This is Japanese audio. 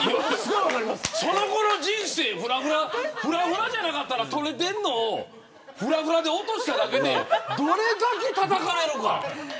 ふらふらじゃなかったら捕れているのをふらふらで落としただけでどれだけたたかれるか。